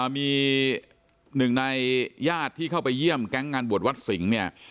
มีหนึ่งในญาติที่เข้าไปเยี่ยมแก๊งงานบวชวัดสิงห์เนี่ย